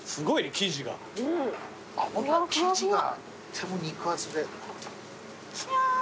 生地がとっても肉厚で。